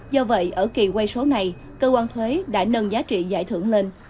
do vậy ở kỳ quay số này cơ quan thuế đã nâng giá trị giải thưởng lên